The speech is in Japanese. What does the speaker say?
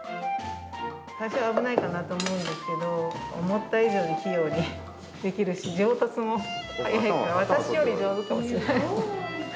最初は危ないかなと思うんですけど、思った以上に器用にできるし、上達も速いから、私より上手かもしれない。